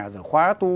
rồi khóa tu